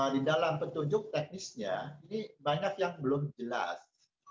di dalam petunjuk teknisnya ini banyak yang belum jelas